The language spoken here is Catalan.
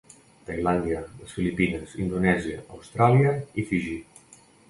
Tailàndia, les Filipines, Indonèsia, Austràlia i Fiji.